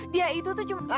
dia itu tuh cuma